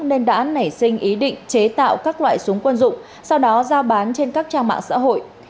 nên đã nảy sinh ý định chế tạo các loại súng quân dụng sau đó giao bán trên các trang mạng xã hội